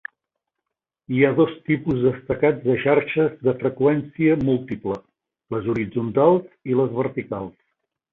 Hi ha dos tipus destacats de xarxes de freqüència múltiple, les horitzontals i les verticals.